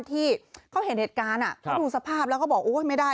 ที่เขาเห็นเหตุการณ์เขาดูสภาพแล้วก็บอกโอ้ยไม่ได้